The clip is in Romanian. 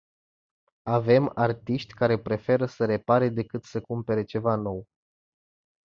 Avem artiști care preferă să repare decât să cumpere ceva nou.